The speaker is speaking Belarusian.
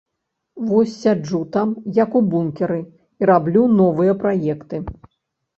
Вось сяджу там, як у бункеры, і раблю новыя праекты.